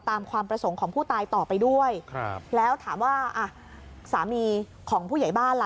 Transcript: ความประสงค์ของผู้ตายต่อไปด้วยครับแล้วถามว่าอ่ะสามีของผู้ใหญ่บ้านล่ะ